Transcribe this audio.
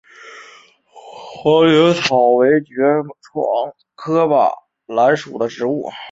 黄猄草为爵床科马蓝属的植物。